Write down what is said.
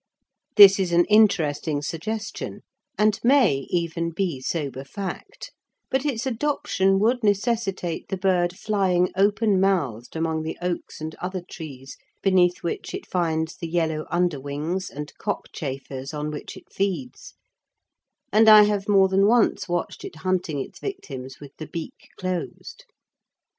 This is an interesting suggestion, and may even be sober fact; but its adoption would necessitate the bird flying open mouthed among the oaks and other trees beneath which it finds the yellow underwings and cockchafers on which it feeds, and I have more than once watched it hunting its victims with the beak closed.